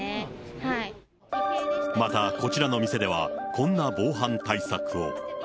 また、こちらの店では、こんな防犯対策を。